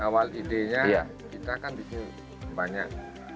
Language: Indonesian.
awal idenya kita kan bikin banyak